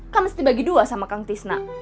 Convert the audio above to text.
kamu mesti bagi dua sama kang tisna